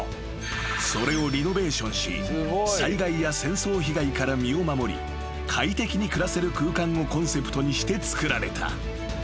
［それをリノベーションし災害や戦争被害から身を守り快適に暮らせる空間をコンセプトにして造られた］